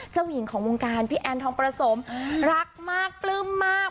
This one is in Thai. เจ้าหญิงของวงการพี่แอนทองประสมรักมากปลื้มมาก